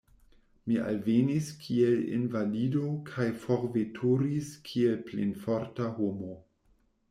Mi alvenis kiel invalido kaj forveturis kiel plenforta homo.